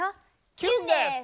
キュンです。